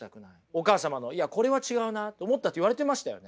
お母様の「いやこれは違うな」と思ったって言われてましたよね。